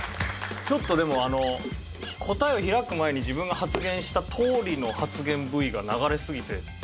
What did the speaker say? ちょっとでも答えを開く前に自分が発言したとおりの発言Ｖが流れすぎて。